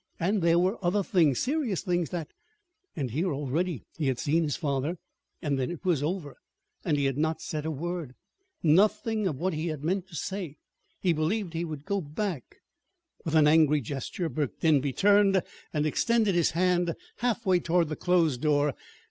And there were other things, serious things, that And here already he had seen his father, and it was over. And he had not said a word nothing of what he had meant to say. He believed he would go back With an angry gesture Burke Denby turned and extended his hand halfway toward the closed door.